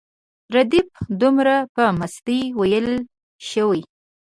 ردیف دومره په مستۍ ویل شوی.